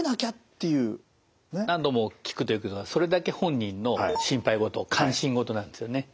何度も聞くということはそれだけ本人の心配事関心事なんですよね。